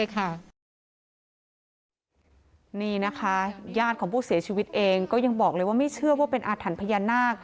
แพทย์ยืนยันชัดเต้นเลยค่ะ